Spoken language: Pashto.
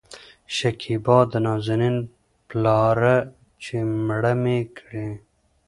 شکيبا : د نازنين پلاره چې مړه مې کړې